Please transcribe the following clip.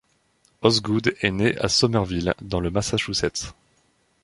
Osgood est né à Somerville, dans le Massachusetts.